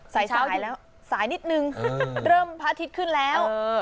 เช้าสายแล้วสายนิดนึงเริ่มพระอาทิตย์ขึ้นแล้ว